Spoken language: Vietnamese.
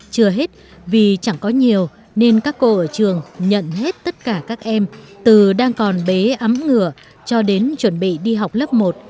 chưa hết vì chẳng có nhiều nên các cô ở trường nhận hết tất cả các em từ đang còn bế ấm ngựa cho đến chuẩn bị đi học lớp một